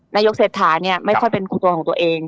นายกเศรษฐาเนี่ยไม่ค่อยเป็นคุณตัวของตัวเอง